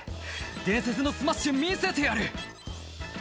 「伝説のスマッシュ見せてやる」